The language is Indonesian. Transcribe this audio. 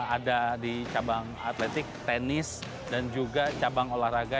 ada di cabang atletik tenis dan juga cabang olahraga